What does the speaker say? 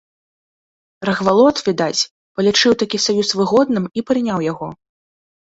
Рагвалод, відаць, палічыў такі саюз выгодным і прыняў яго.